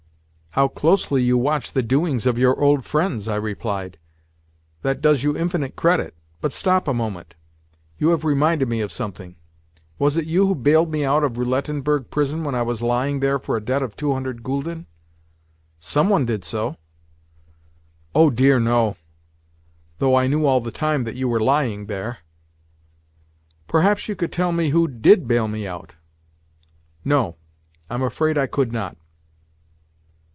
"How closely you watch the doings of your old friends!" I replied. "That does you infinite credit. But stop a moment. You have reminded me of something. Was it you who bailed me out of Roulettenberg prison when I was lying there for a debt of two hundred gülden? someone did so." "Oh dear no!—though I knew all the time that you were lying there." "Perhaps you could tell me who did bail me out?" "No; I am afraid I could not."